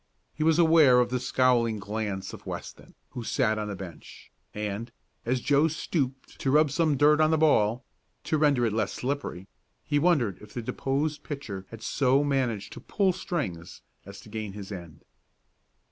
He was aware of the scowling glance of Weston, who sat on the bench, and, as Joe stooped over to rub some dirt on the ball, to render it less slippery, he wondered if the deposed pitcher had so managed to "pull strings" as to gain his end.